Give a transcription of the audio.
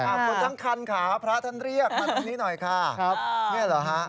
ไปครับคุณทางขันขาพระท่านเรียกมาตรงนี้หน่อยค่ะ